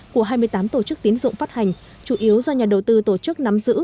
của hai mươi tám tổ chức tiến dụng phát hành chủ yếu do nhà đầu tư tổ chức nắm giữ chín mươi bảy hai